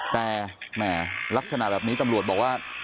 แต่แหมลักษณะแบบนี้ตำรวจบอกว่า